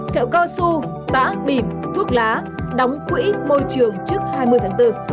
hai kẹo co su tã bìm thuốc lá đóng quỹ môi trường trước hai mươi tháng bốn